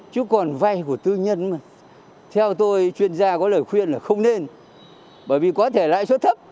chứ còn vay của tư nhân mà theo tôi chuyên gia có lời khuyên là không nên bởi vì có thể lãi suất thấp